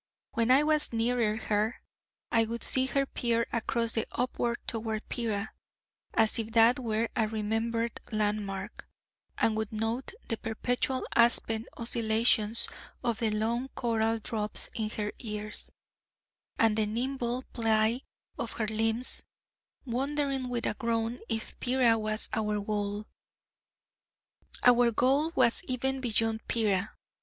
When I was nearer her, I would see her peer across and upward toward Pera, as if that were a remembered land mark, and would note the perpetual aspen oscillations of the long coral drops in her ears, and the nimble ply of her limbs, wondering with a groan if Pera was our goal. Our goal was even beyond Pera.